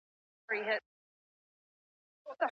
زوم بې کالیو نه وي.